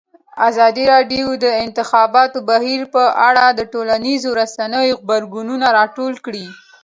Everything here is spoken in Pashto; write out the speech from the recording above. ازادي راډیو د د انتخاباتو بهیر په اړه د ټولنیزو رسنیو غبرګونونه راټول کړي.